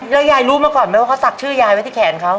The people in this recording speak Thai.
แล้วยายรู้มาก่อนไหมว่าเขาศักดิ์ชื่อยายไว้ที่แขนเขา